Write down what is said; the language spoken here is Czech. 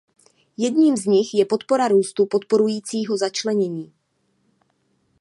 Jedním z nich je podpora růstu podporujícího začlenění.